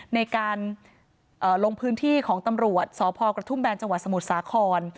ในการลงพื้นที่ของตำรวจสพกระทุ่มแบนจังหวัดสมุทรสาคร